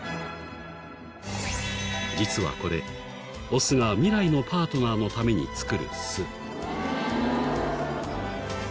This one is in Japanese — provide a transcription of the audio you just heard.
実はこれオスが未来のパートナーのために作る巣。